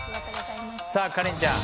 さあカレンちゃん